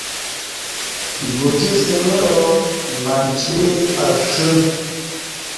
گوچی ݜݩگرامنچی اݜہ